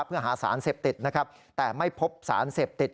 เพื่อหาสารเสพติดนะครับแต่ไม่พบสารเสพติด